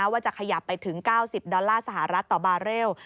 ว่าจะขยับไปถึง๙๐ดอลลาร์สหรัฐต่อบาเรล